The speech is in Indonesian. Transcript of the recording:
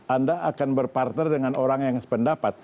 anda akan berpartner dengan orang yang sependapat